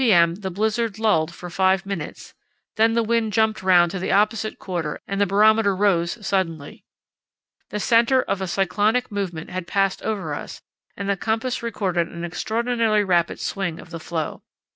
m. the blizzard lulled for five minutes; then the wind jumped round to the opposite quarter and the barometer rose suddenly. The centre of a cyclonic movement had passed over us, and the compass recorded an extraordinarily rapid swing of the floe.